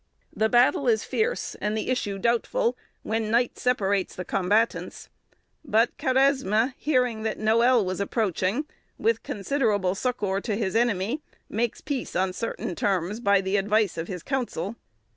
The battle is fierce, and the issue doubtful, when night separates the combatants; but Karesme, hearing that Noël was approaching, with considerable succour to his enemy, makes peace on certain terms, by advice of his council.